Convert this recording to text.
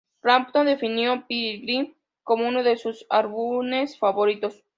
Clapton definió "Pilgrim" como uno de sus álbumes favoritos.